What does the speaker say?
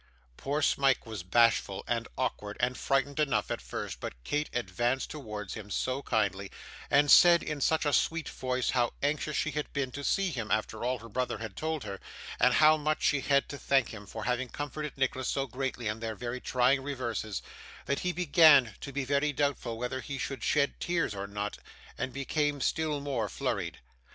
Poor Smike was bashful, and awkward, and frightened enough, at first, but Kate advanced towards him so kindly, and said, in such a sweet voice, how anxious she had been to see him after all her brother had told her, and how much she had to thank him for having comforted Nicholas so greatly in their very trying reverses, that he began to be very doubtful whether he should shed tears or not, and became still more flurried.